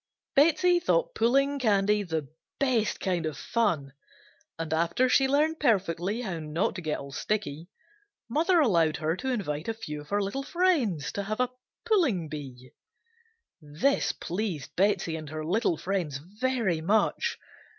Betsey thought pulling candy the best kind of fun and after she learned perfectly how not to get all sticky, mother allowed her to invite a few of her little friends to have a "pulling bee." This pleased Betsey and her little friends very much.